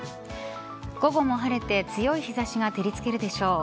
午後も晴れて強い日差しが照りつけるでしょう。